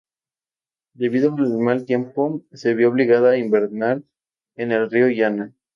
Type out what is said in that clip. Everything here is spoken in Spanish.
Debido al mal tiempo se vio obligado a invernar en el río Yana.